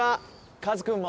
カズくんも。